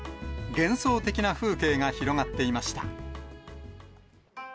幻想的な風景が広がっていました。